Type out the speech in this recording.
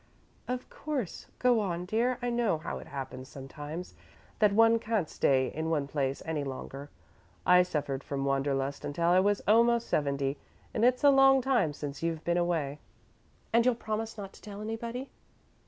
"Of course. Go on, dear. I know how it happens sometimes, that one can't stay in one place any longer. I suffered from wanderlust until I was almost seventy, and it's a long time since you've been away." "And you'll promise not to tell anybody?"